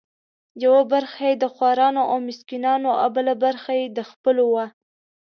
یوه برخه یې د خورانو او مسکینانو او بله برخه د خپلو وه.